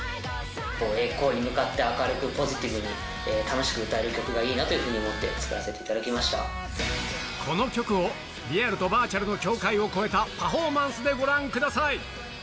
栄光に向かって、明るくポジティブに、楽しく歌える曲がいいなというふうに思って、作らせてこの曲を、リアルとバーチャルの境界を越えたパフォーマンスでご覧ください。